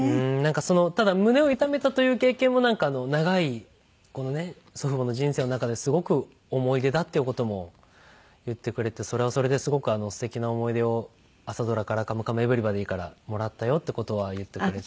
ただ胸を痛めたという経験も長い祖父母の人生の中ですごく思い出だという事も言ってくれてそれはそれですごく素敵な思い出を朝ドラから『カムカムエヴリバディ』からもらったよって事は言ってくれて。